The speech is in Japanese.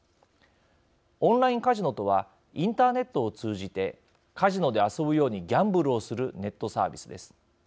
オンラインカジノとはインターネットを通じてカジノで遊ぶようにギャンブルをするネットサービスです。